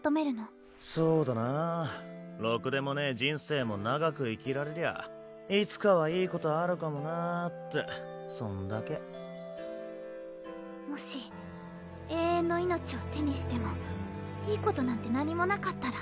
そうだなろくでもねぇ人生も長く生きられりゃいつかはいいことあるかもなぁってそんだけもし永遠の命を手にしてもいいことなんて何もなかったら？